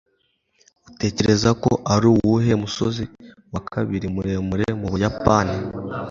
Utekereza ko ari uwuhe musozi wa kabiri muremure mu Buyapani?